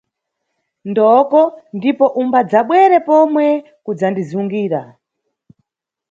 Ndoko ndipo umbadzabwere pomwe kudzandizungira.